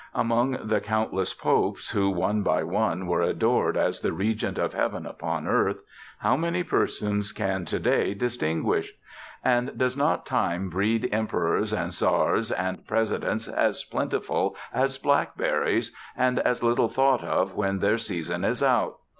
Among the countless popes who one by one were adored as the regent of Heaven upon earth, how many persons can to day distinguish? and does not time breed emperors and czars and presidents as plentiful as blackberries, and as little thought of when their season is out?